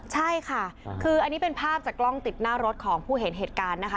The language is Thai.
ใช่ค่ะคืออันนี้เป็นภาพจากกล้องติดหน้ารถของผู้เห็นเหตุการณ์นะคะ